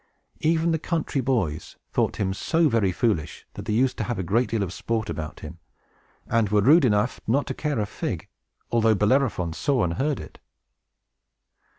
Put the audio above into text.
Even the country boys thought him so very foolish, that they used to have a great deal of sport about him, and were rude enough not to care a fig, although Bellerophon saw and heard it.